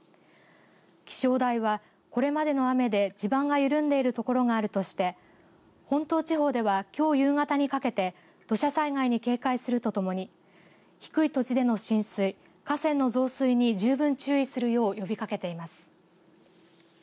気象台は、これまでの雨で地盤が緩んでいる所があるとして本島地方ではきょう夕方にかけて土砂災害に警戒するとともに低い土地での浸水河川の増水に十分注意するよう呼びかけています。